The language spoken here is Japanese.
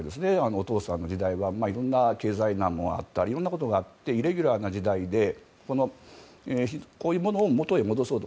お父さんの時代はいろんな経済難もあったいろんなこともあってイレギュラーな時代でこういうものを元に戻そうと。